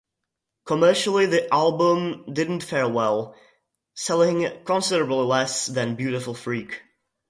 Commercially the album didn't fare well, selling considerably less than "Beautiful Freak".